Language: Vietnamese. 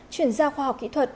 chuyển gia khoa học kỹ thuật